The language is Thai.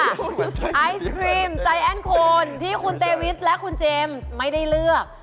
ไอศครีมใจแอ้นโคนที่คุณเจวิทและคุณเจมส์ไม่ได้เลือก